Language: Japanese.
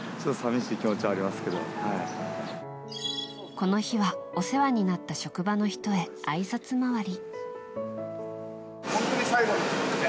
この日はお世話になった職場の人へ、あいさつ回り。